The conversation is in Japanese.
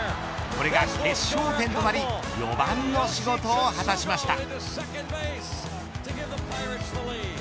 これが決勝点となり４番の仕事を果たしました。